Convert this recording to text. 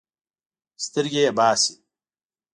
سترګې یې باسي.